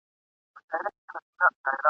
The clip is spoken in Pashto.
په کوهي کي پر اوزګړي باندي ویر سو !.